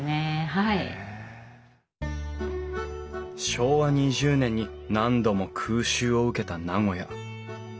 昭和２０年に何度も空襲を受けた名古屋。